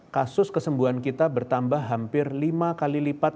kasus kesembuhan kita bertambah hampir lima kali lipat